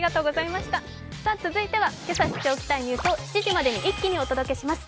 続いてはけさ知っておきたいニュースを７時までに一気にお伝えします